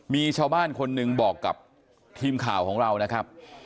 มีชาวบ้านคนหนึ่งบอกกับทีมข่าวของเรานะครับ